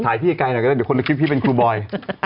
ถ่ายพี่ไกลหน่อยแต่เดี๋ยวคนนึงคิดว่าพี่เป็นครูบอย